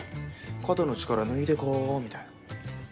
「肩の力抜いてこう」みたいな。